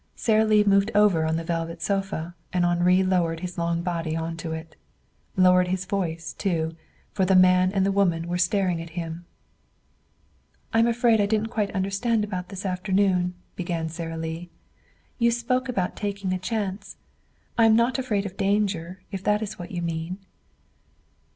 Sara Lee moved over on the velvet sofa, and Henri lowered his long body onto it. Lowered his voice, too, for the man and woman were staring at him. "I'm afraid I didn't quite understand about this afternoon," began Sara Lee. "You spoke about taking a chance. I am not afraid of danger, if that is what you mean."